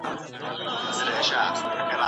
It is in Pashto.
لوی ملت یې د پلار پلار په ویاړ بابا کا